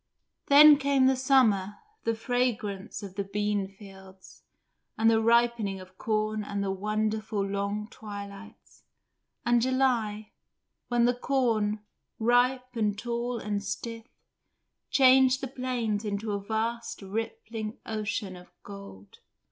Then came the summer, the fragrance of the beanfields, and the ripening of corn and the wonderful long twilights, and July, when the corn, ripe and tall and stiff, changed the plains into a vast rippling ocean of gold.